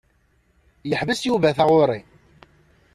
Yeḥbes Yuba taɣuri.